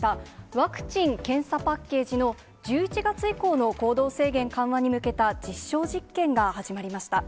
ワクチン・検査パッケージの、１１月以降の行動制限緩和に向けた実証実験が始まりました。